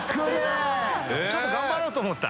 А繊ちょっと頑張ろうと思った？